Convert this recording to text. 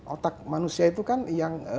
otak manusia itu kan yang